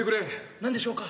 なんでしょうか？